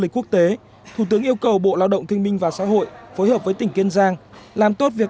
quốc tế thủ tướng yêu cầu bộ lao động kinh minh và xã hội phối hợp với tỉnh kiên giang làm tốt việc